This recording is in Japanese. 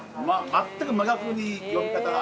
全く真逆に呼び方が。